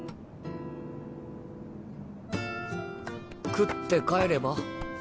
食って帰れば。